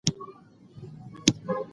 که ته وغواړې هر څه زده کولای سې.